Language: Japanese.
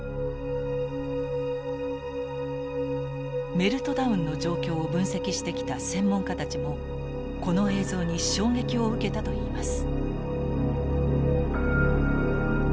メルトダウンの状況を分析してきた専門家たちもこの映像に衝撃を受けたといいます。